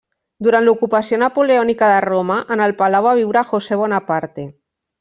Durant l'ocupació napoleònica de Roma, en el palau va viure José Bonaparte.